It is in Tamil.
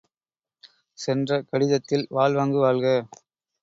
சென்ற கடிதத்தில் வாழ்வாங்கு வாழ்க!